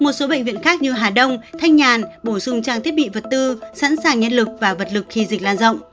một số bệnh viện khác như hà đông thanh nhàn bổ sung trang thiết bị vật tư sẵn sàng nhân lực và vật lực khi dịch lan rộng